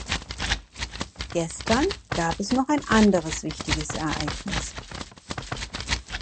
Gestern gab es noch ein anderes wichtiges Ereignis.